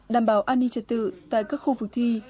đảm bảo an ninh trật tự tại các khu vực thi